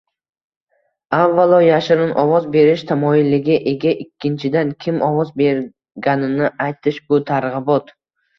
Avaalo yashirin ovoz berish tamoyiliga ega, ikkinchidan, kim ovoz berganini aytish - bu targ'ibot